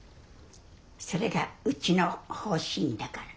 それがうちの方針だから。